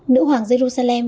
nữ hoàng jerusalem